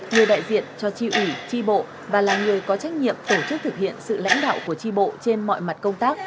người đại diện cho tri ủy tri bộ và là người có trách nhiệm tổ chức thực hiện sự lãnh đạo của tri bộ trên mọi mặt công tác